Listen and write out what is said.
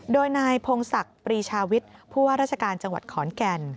โดยนายพงศักดิ์ปรีชาวิทย์ผู้ว่าราชการจังหวัดขอนแก่น